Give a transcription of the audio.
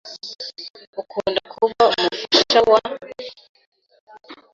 Ukunda kuba umufasha wa ?